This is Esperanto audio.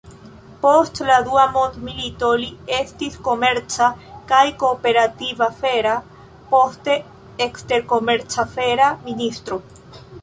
Post la dua mondmilito, li estis komerca kaj kooperativ-afera, poste eksterkomerc-afera ministro.